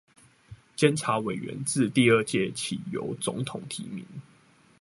監察委員自第二屆起由總統提名